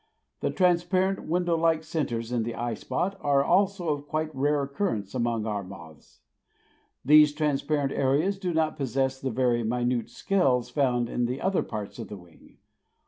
The transparent, window like centers in the eye spot are also of quite rare occurrence among our moths. These transparent areas do not possess the very minute scales found on the other parts of the wing.